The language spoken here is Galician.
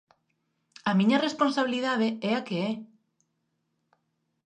A miña responsabilidade é a que é.